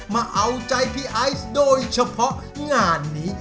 มาเอาใจพี่ไอซ์โดยเฉพาะงานนี้